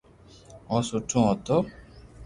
او سٺو ھتو